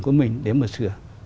của mình để mà sửa